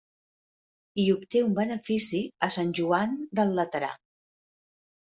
I obté un benefici a Sant Joan del Laterà.